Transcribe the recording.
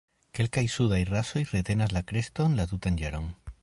Kelkaj sudaj rasoj retenas la kreston la tutan jaron.